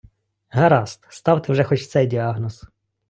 Гаразд, ставте вже хоч цей діагноз.